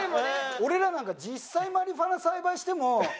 俺らなんか実際マリファナ栽培しても。